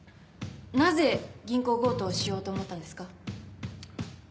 なぜ銀行強盗をしようと思ったんですか？